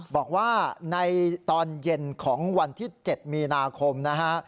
บอกว่าในตอนเย็นของวันที่๗มีนาคมนะฮะ